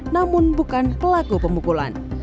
namun bukan pelaku pemukulan